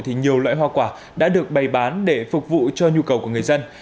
thì nhiều loại hoa quả đã được bày bán để phục vụ cho nhu cầu của người dân